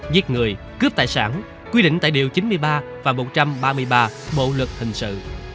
giết người cướp tài sản quy định tại điều chín mươi ba và một trăm ba mươi ba bộ luật hình sự